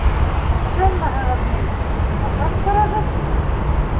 Ышанмаһағыҙ, ни... ашап ҡарағыҙ.